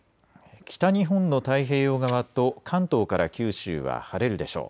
北日本の太平洋側と関東から九州は晴れるでしょう。